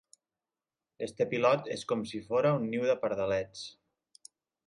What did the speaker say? Este pilot és com si fora un niu de pardalets.